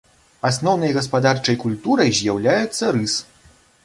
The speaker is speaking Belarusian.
Асноўнай гаспадарчай культурай з'яўляецца рыс.